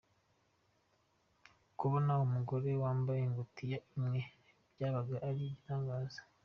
Kubona umugore wambaye ingutiya imwe byabaga ari igitangaza.